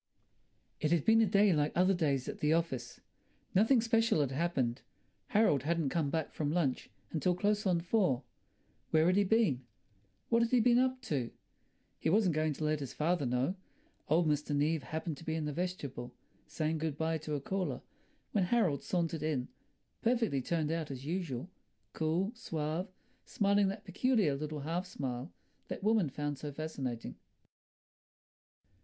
It had been a day like other days at the office. Nothing special had happened. Harold hadn't come back from lunch until close on four. Where had he been? What had he been up to? He wasn't going to let his father know. Old Mr. Neave had happened to be in the vestibule, saying good bye to a caller, when Harold sauntered in, perfectly turned out as usual, cool, suave, smiling that peculiar little half smile that women found so fascinating.